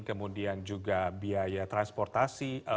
kemudian juga biaya transportasi